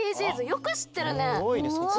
よくしってるね！